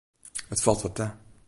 It falt wat ta.